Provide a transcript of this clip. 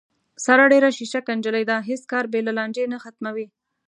ساره ډېره شیشکه نجیلۍ ده، هېڅ کار بې له لانجې نه ختموي.